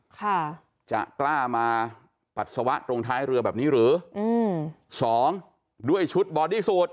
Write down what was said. ค่ะจะกล้ามาปัสสาวะตรงท้ายเรือแบบนี้หรืออืมสองด้วยชุดบอดี้สูตร